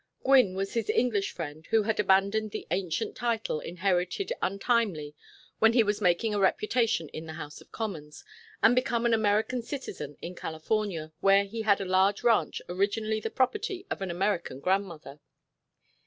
Gwynne was his English friend who had abandoned the ancient title inherited untimely when he was making a reputation in the House of Commons, and become an American citizen in California, where he had a large ranch originally the property of an American grandmother.